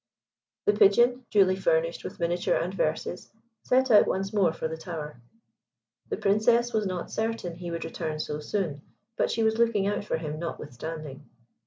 The Pigeon, duly furnished with miniature and verses, set out once more for the tower. The Princess was not certain he would return so soon, but she was looking out for him, notwithstanding.